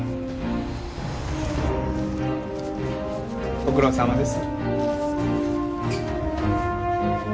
ご苦労さまです。